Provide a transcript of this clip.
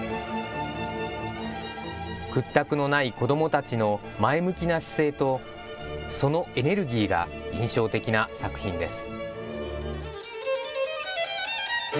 屈託のない子どもたちの前向きな姿勢と、そのエネルギーが印象的な作品です。